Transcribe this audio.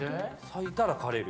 咲いたら枯れる？